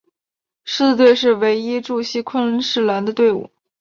狮子队是唯一驻锡昆士兰的队伍。